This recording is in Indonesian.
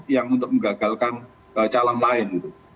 yang untuk menggagalkan calon lain